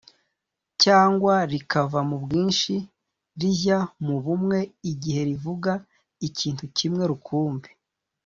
cyangwa rikava mu bwinshi rijya mu bumwe igihe rivuga ikintu kimwe rukumbi.